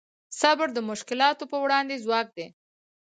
صبر د مشکلاتو په وړاندې ځواک دی.